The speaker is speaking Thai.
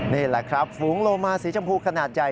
นี่แหละครับฝูงโลมาสีชมพูขนาดใหญ่